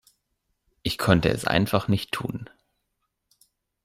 Ich konnte es einfach nicht tun.